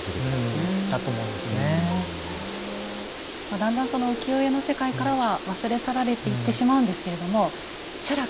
だんだんその浮世絵の世界からは忘れ去られていってしまうんですけれども写楽